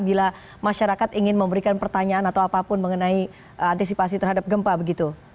bila masyarakat ingin memberikan pertanyaan atau apapun mengenai antisipasi terhadap gempa begitu